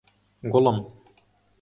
گوڵم!